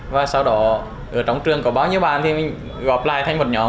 và sau đó ở trong trường có bao nhiêu bạn thì mình gọp lại thành một nhóm